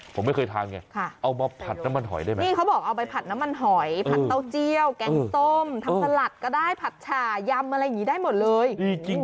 ผมไม่เคยทานไงเอามาผัดน้ำมันหอยได้ไหมนี่เขาบอกเอาไปผัดน้ำมันหอยผัดเต้าเจียวแกงส้มทำสลัดก็ได้ผัดฉ่ายำอะไรอย่างนี้ได้หมดเลย